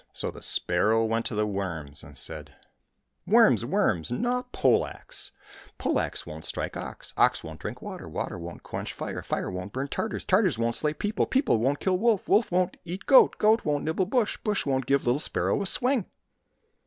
— So the sparrow went to the worms and said, " Worms, worms, gnaw pole axe, pole axe won't strike ox, ox won't drink water, water won't quench fire, fire won't burn Tartars, Tartars won't slay people, people won't kill wolf, wolf won't eat goat, goat won't nibble bush, bush won't give little sparrow a swing."